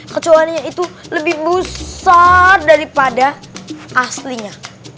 kecuanya itu lebih besar daripada aslinya